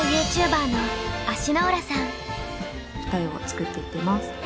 二重を作っていってます。